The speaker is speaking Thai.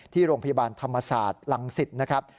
ที่โรงพยาบาลธรรมศาสตร์รังสิตนะครับ